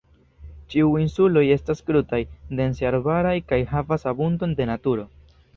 Ĉiuj insuloj estas krutaj, dense arbaraj kaj havas abundon de naturo.